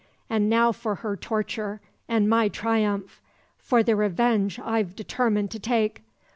And now for her torture, and my triumph: for the revenge I've determined to take.